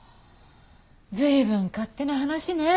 随分勝手な話ね。